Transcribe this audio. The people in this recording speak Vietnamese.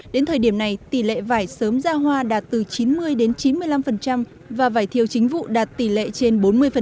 đến thời điểm này tỷ lệ vải sớm ra hoa đạt từ chín mươi đến chín mươi năm và vải thiều chính vụ đạt tỷ lệ trên bốn mươi